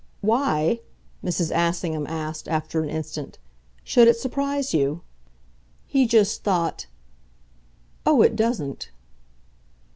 "Why," Mrs. Assingham asked after an instant, "should it surprise you?" He just thought. "Oh, it doesn't!"